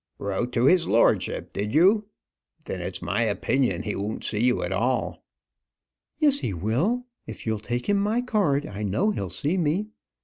"Wrote to his lordship, did you? Then it's my opinion he won't see you at all." "Yes, he will. If you'll take him my card, I know he'll see me.